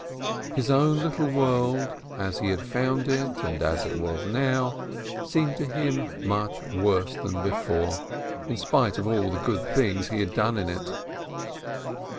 His own little world, as he had found it and as it was now, seemed to him much worse than before, in spite of all the good things he had done in it.